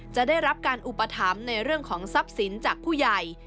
จะได้รับการอุปถัมภ์ในเรื่องของทรัพย์สินจากผู้ใหญ่